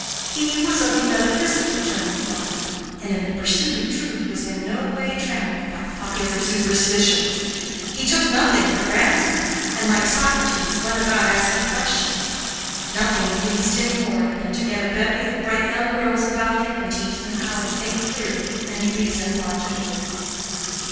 He was of a metaphysical turn of mind, and in the pursuit of truth was in no way trammeled by popular superstitions. He took nothing for granted and, like Socrates, went about asking questions. Nothing pleased him more than to get a bevy of bright young girls about him and teach them how to think clearly and reason logically.